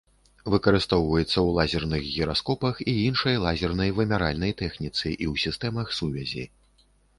Выкарыстоўваецца ў лазерных гіраскопах і іншай лазернай вымяральнай тэхніцы і ў сістэмах сувязі.